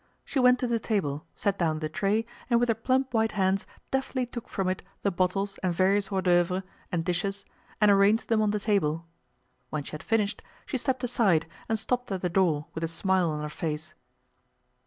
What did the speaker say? She went to the table, set down the tray, and with her plump white hands deftly took from it the bottles and various hors d'oeuvres and dishes and arranged them on the table. When she had finished, she stepped aside and stopped at the door with a smile on her face.